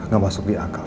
gak masuk di akal